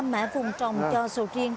sáu mươi năm mã vùng trồng cho sầu riêng